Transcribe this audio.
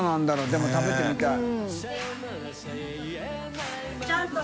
でも食べてみたい。